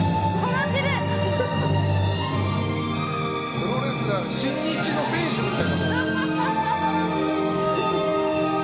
プロレスラーの新日の選手みたい。